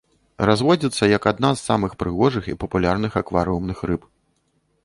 Разводзіцца як адна з самых прыгожых і папулярных акварыумных рыб.